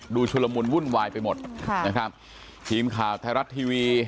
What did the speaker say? ดูชุลมุนวุ่นวายไปหมดทีมข่าวไทยรัตน์ทีวี